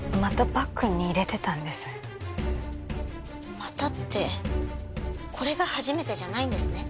「また」ってこれが初めてじゃないんですね？